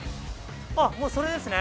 もうそれですね。